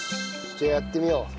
じゃあやってみよう。